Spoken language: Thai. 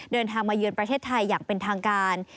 เดินทางมาเยือนประเทศไทยอย่างเป็นทางการ